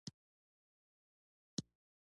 اقلیم د افغانستان د طبیعت د ښکلا برخه ده.